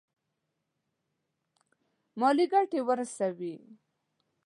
مالي ګټي ورسوي.